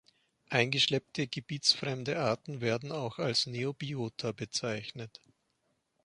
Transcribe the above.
Eingeschleppte, gebietsfremde Arten werden auch als "Neobiota" bezeichnet.